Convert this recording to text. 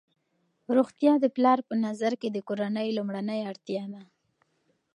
روغتیا د پلار په نظر کې د کورنۍ لومړنۍ اړتیا ده.